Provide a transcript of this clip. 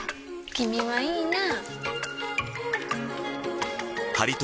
君はいいなぁ。